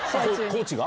コーチが？